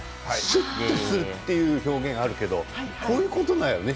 シュッとするっていう表現あるけどこういうことだよね。